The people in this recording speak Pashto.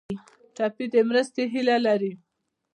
ټپي د مرستې هیله لري.